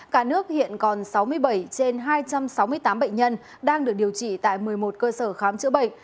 cả nước hiện còn sáu mươi bảy trên hai trăm sáu mươi tám bệnh nhân đang được điều trị tại một mươi một cơ sở khám chữa bệnh